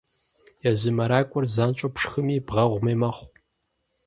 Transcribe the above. Езы мэракӏуэр занщӏэу пшхыми бгъэгъуми мэхъу.